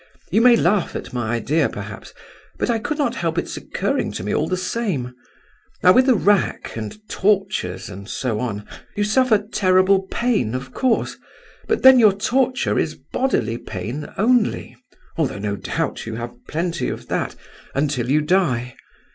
You may laugh at my idea, perhaps—but I could not help its occurring to me all the same. Now with the rack and tortures and so on—you suffer terrible pain of course; but then your torture is bodily pain only (although no doubt you have plenty of that) until you die.